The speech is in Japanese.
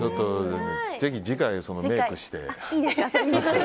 ぜひ、次回そのメイクをして。